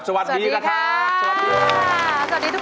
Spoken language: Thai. สวัสดีครับสวัสดีครับ